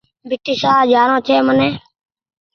ڀيٽ شاه جآڻو ڇي مني ۔